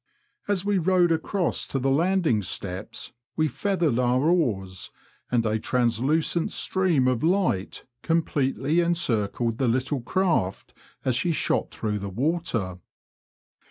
As we rowed across to the landing steps we feathered our oars, and a translucent stream of light com pletely encircled the little craft as she shot through the water.